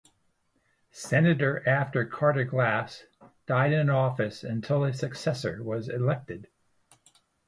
Senator after Carter Glass died in office until a successor was elected.